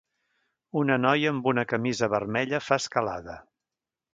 Un noia amb una camisa vermella fa escalada.